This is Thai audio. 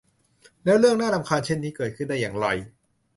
แล้วเรื่องน่ารำคาญเช่นนี้เกิดขึ้นได้อย่างไร